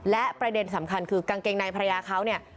และประเด็นสำคัญคือกางเกงในภรรยาเขาเนี่ย